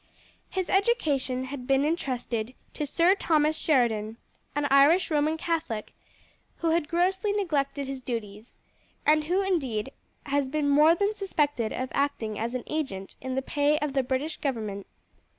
His education had been intrusted to Sir Thomas Sheridan, an Irish Roman Catholic, who had grossly neglected his duties, and who indeed has been more than suspected of acting as an agent in the pay of the British government.